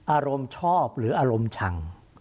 อารมณ์ชอบหรืออารมณ์ชัง